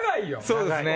そうですね。